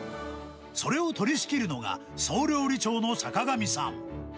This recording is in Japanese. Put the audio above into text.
それを取り仕切るのが、総料理長の坂上さん。